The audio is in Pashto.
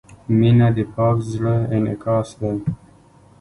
• مینه د پاک زړۀ انعکاس دی.